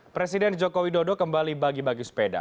presiden joko widodo kembali bagi bagi sepeda